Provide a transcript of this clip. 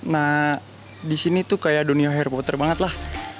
nah di sini tuh kayak dunia hair potter banget lah